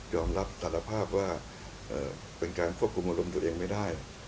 อมรับสารภาพว่าเป็นการควบคุมอารมณ์ตัวเองไม่ได้